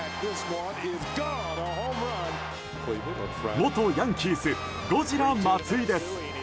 元ヤンキース、ゴジラ松井です。